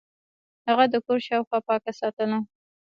هغه د کور شاوخوا پاکه ساتله.